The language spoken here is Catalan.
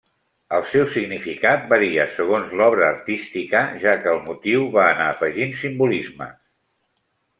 El seu significat varia segons l'obra artística, ja que el motiu va anar afegint simbolismes.